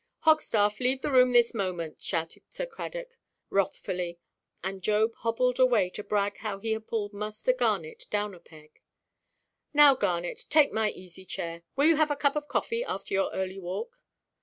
"Hogstaff, leave the room this moment," shouted Sir Cradock, wrathfully; and Job hobbled away to brag how he had pulled Muster Garnet down a peg. "Now, Garnet, take my easy–chair. Will you have a cup of coffee after your early walk?"